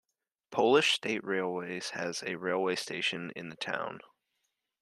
Polish State Railways has a railway station in the town.